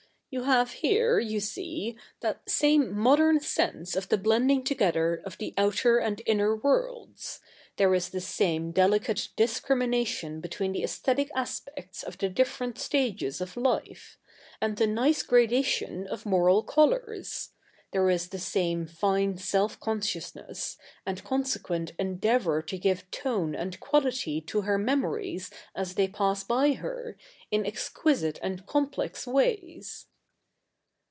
You have here, you see, that same modern sense of the blending together of the outer and inner worlds ; there is the same delicate discrimination between the cxsthetic aspects of the different stages of life, and the nice gradation of moral colours : there is the same fine self consciousness, and consequent endeavour to give tone and quality to her memories as they pass by her, in exquisite and complex ways.'